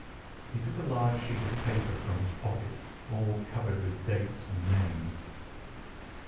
He took a large sheet of paper from his pocket, all covered with dates and names.